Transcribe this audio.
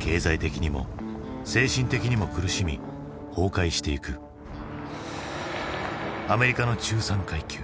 経済的にも精神的にも苦しみ崩壊していくアメリカの中産階級。